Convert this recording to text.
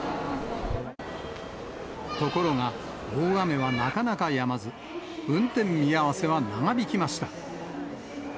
ところが、大雨はなかなかやまず、運転見合わせは長引きました。